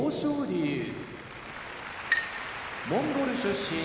龍モンゴル出身